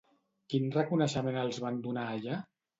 Quin reconeixement els van donar allà?